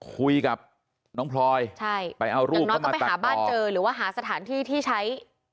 คุยกับน้องพลอยใช่ไปเอารูปเข้ามาตัดต่อหรือว่าหาสถานที่ที่ใช้